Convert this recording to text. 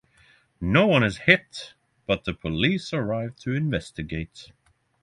No one is hit, but the police arrive to investigate.